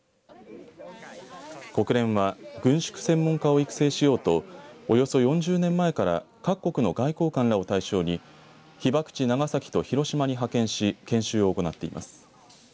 国連は軍縮専門家を育成しようとおよそ４０年前から各国の外交官らを対象に被爆地、長崎と広島に派遣し研修を行っています。